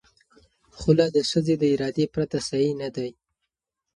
خلع د ښځې د ارادې پرته صحیح نه دی.